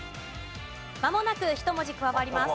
まもなく１文字加わります。